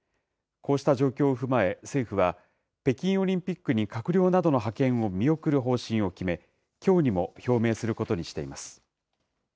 こうした状況を踏まえ、政府は、北京オリンピックに閣僚などの派遣を見送る方針を決め、きょうにも表明することにしています。